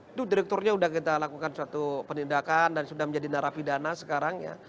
itu direkturnya sudah kita lakukan suatu penindakan dan sudah menjadi narapidana sekarang ya